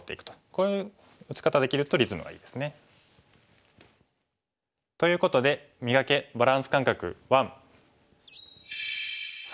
こういう打ち方できるとリズムがいいですね。ということで「磨け！バランス感覚１」。